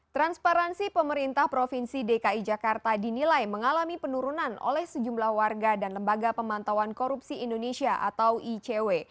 transparansi pemerintah provinsi dki jakarta dinilai mengalami penurunan oleh sejumlah warga dan lembaga pemantauan korupsi indonesia atau icw